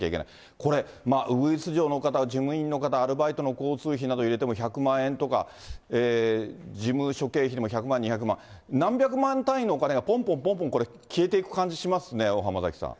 これ、うぐいす嬢の方、事務員の方、アルバイトの交通費など入れても１００万円とか、事務所経費でも１００万、２００万、何百万単位のお金がぽんぽんぽんぽんこれ、消えていく感じしますね、大濱崎さん。